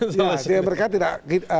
jadi mereka tidak